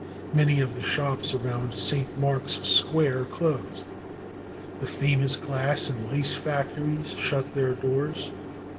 Most of the shops around St. Mark's Square closed. The famous glass and lace factories shut their doors.